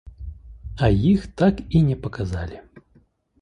А іх так і не паказалі.